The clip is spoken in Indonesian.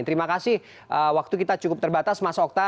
terima kasih waktu kita cukup terbatas mas okta